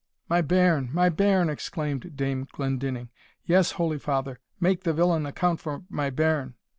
"My bairn! my bairn!" exclaimed Dame Glendinning. "Yes, holy father, make the villain account for my bairn!"